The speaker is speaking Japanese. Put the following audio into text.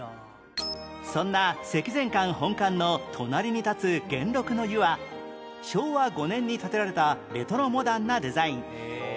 そんな積善館本館の隣に立つ元禄の湯は昭和５年に建てられたレトロモダンなデザイン